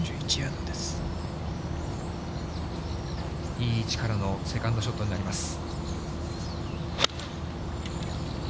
いい位置からのセカンドショットになります。